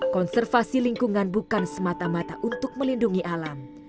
konservasi lingkungan bukan semata mata untuk melindungi alam